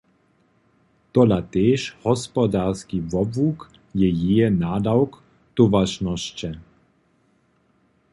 Tola tež hospodarski wobłuk je jeje nadawk towaršnosće.